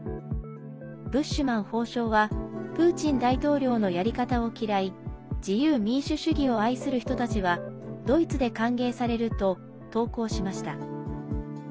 ブッシュマン法相はプーチン大統領のやり方を嫌い自由民主主義を愛する人たちはドイツで歓迎されると投稿しました。